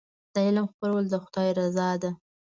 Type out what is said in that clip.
د علم خپرول د خدای رضا ده.